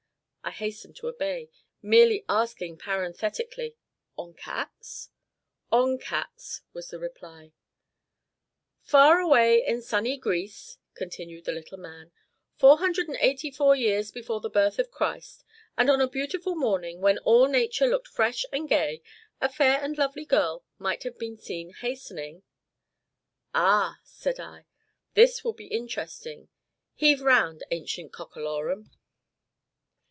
I hastened to obey, merely asking parenthetically, "On cats?" "On cats," was the reply. "Far away in sunny Greece," continued the little man, "484 years before the birth of Christ, and on a beautiful morning, when all nature looked fresh and gay, a fair and lovely girl might have been seen hastening " "Ah!" said I, "this will be interesting; heave round, ancient cockalorum."